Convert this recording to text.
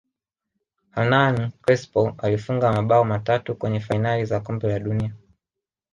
hernan crespo alifunga mabao matatu kwenye fainali za kombe la dunia